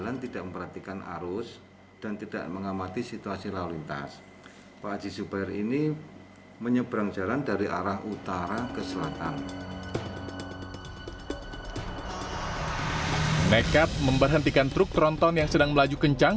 nekat memberhentikan truk tronton yang sedang melaju kencang